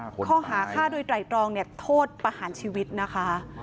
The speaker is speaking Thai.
ข้อหาฆ่าโดยไตรตรองเนี่ยโทษประหารชีวิตนะคะ